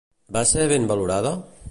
Va ser ben valorada?